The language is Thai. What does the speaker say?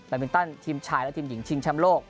แบบมิลตันทีมชายและทีมหญิงชิงชั้นโลก